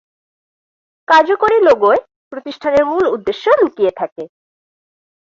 কার্যকরী লোগোয় প্রতিষ্ঠানের মূল উদ্দেশ্য লুকিয়ে থাকে।